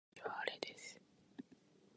明日の天気は晴れです。